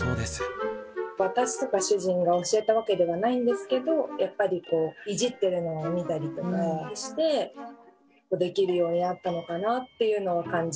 私とか主人が教えたわけではないんですけどやっぱりこういじってるのを見たりとかしてできるようになったのかなっていうのを感じます。